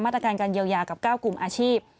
ตรการเยียวยากับ๙กลุ่มอาชีพ